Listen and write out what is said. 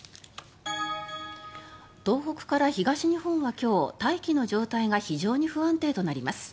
東北から東日本は今日大気の状態が非常に不安定となります。